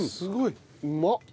うまっ。